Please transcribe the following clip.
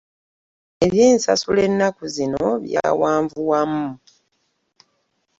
Eby'ensasula ennaku zino by'awanvuwamu